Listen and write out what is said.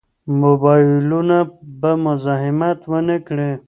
موبایلونه به مزاحمت ونه کړي.